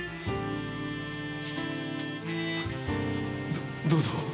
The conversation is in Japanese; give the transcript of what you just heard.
どどうぞ。